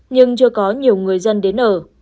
nhưng chưa có nhiều người dân đến ở